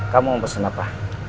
kamu mau pesen apa